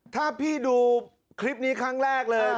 ถ้าพี่ดูคลิปนี้ครั้งแรกเลย